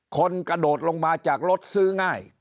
กระโดดลงมาจากรถซื้อง่าย